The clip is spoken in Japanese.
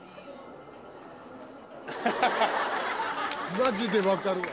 マジで分かるわ。